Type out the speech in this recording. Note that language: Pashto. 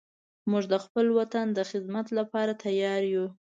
موږ د خپل وطن د خدمت لپاره تیار یو